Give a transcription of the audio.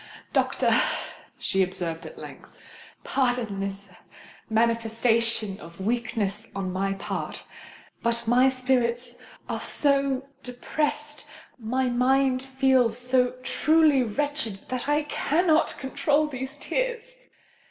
"Doctor," she observed at length, "pardon this manifestation of weakness on my part; but my spirits are so depressed—my mind feels so truly wretched, that I cannot control these tears.